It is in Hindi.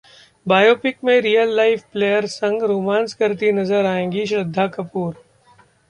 बायोपिक में रियल लाइफ प्लेयर संग रोमांस करती नजर आएंगी श्रद्धा कपूर